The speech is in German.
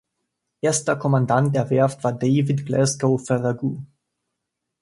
Erster Kommandant der Werft war David Glasgow Farragut.